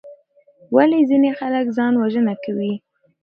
ولې ځینې خلک ځان وژنه کوي؟